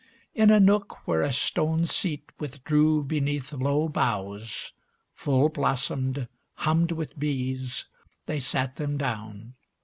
In a nook Where a stone seat withdrew beneath low boughs, Full blossomed, hummed with bees, they sat them down.